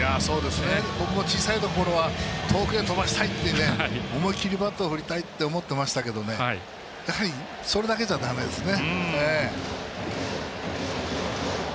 僕も小さい時は遠くへ飛ばしたいって思い切りバットを振りたいと思ってましたけどそれだけじゃだめですね。